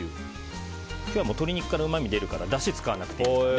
今日は鶏肉からうまみが出るからだしを使わなくていいです。